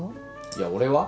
いや俺は？